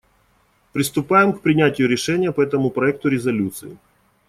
Приступаем к принятию решения по этому проекту резолюции.